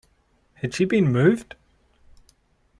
Had she been moved?